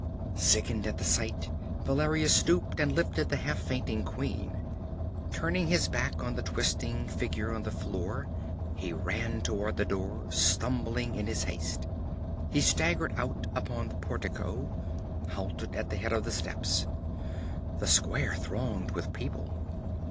Sickened at the sight, Valerius stooped and lifted the half fainting queen. Turning his back on the twisting figure on the floor, he ran toward the door, stumbling in his haste. He staggered out upon the portico, halted at the head of the steps. The square thronged with people.